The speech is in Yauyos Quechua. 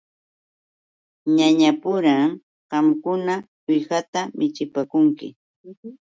Ñañapuram qamkuna uwihata michipaakunki.